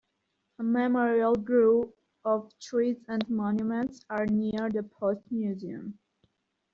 A memorial grove of trees and monument are near the post museum.